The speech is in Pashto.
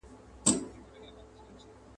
هم یې کور هم انسانانو ته تلوار وو ..